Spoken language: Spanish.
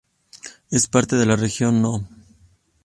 Es parte de la región No.